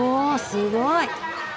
すごい！